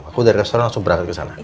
aku dari restoran langsung berangkat kesana